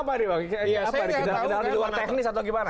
kendala di luar teknis atau bagaimana